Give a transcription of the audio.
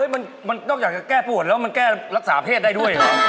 เฮะมันต้องจากแก้ป่วนแล้วมันแก้รักษาเพศได้ด้วย